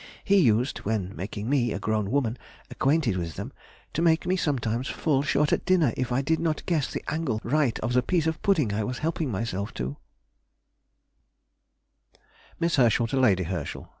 He used, when making me, a grown woman, acquainted with them, to make me sometimes fall short at dinner if I did not guess the angle right of the piece of pudding I was helping myself to! [Sidenote: 1842. Regrets.] MISS HERSCHEL TO LADY HERSCHEL.